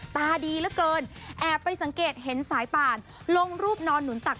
ตาดีเหลือเกินแอบไปสังเกตเห็นสายป่านลงรูปนอนหนุนตัก